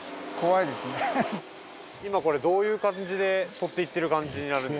今どういう感じで撮って行ってる感じになるんですか？